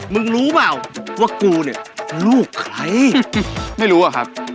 มึงรู้เปล่าว่ากูเนี่ยลูกใครไม่รู้อะครับ